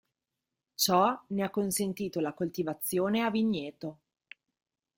Ciò ne ha consentito la coltivazione a vigneto.